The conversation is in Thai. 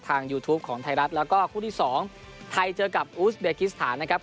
ยูทูปของไทยรัฐแล้วก็คู่ที่สองไทยเจอกับอูสเบกิสถานนะครับ